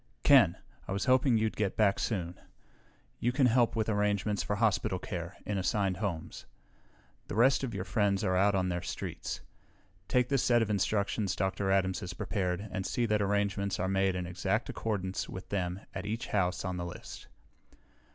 "Ken! I was hoping you'd get back soon. You can help with arrangements for hospital care, in assigned homes. The rest of your friends are out on their streets. Take this set of instructions Dr. Adams has prepared and see that arrangements are made in exact accordance with them at each house on the list."